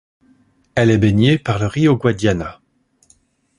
Elle est baignée par le Rio Guadiana.